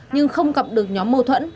nhưng không gặp được nhóm mâu thuẫn